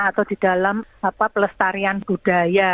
atau di dalam pelestarian budaya